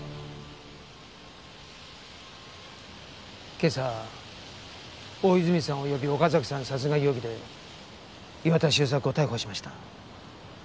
今朝大泉さん及び岡崎さん殺害容疑で岩田修作を逮捕しました。